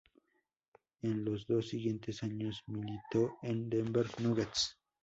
En los dos siguientes años militó en Denver Nuggets.